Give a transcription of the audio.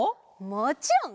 もちろん！